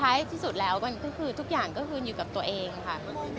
ที่สุดแล้วก็คือทุกอย่างก็คืนอยู่กับตัวเองค่ะ